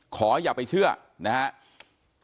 อย่าไปเชื่อนะครับ